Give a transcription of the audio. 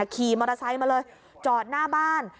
ขี่มอเตอร์ไซค์มาเลยจอดหน้าบ้าน